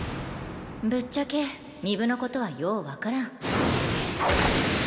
ぶっちゃけ巫舞のことはよー分からん。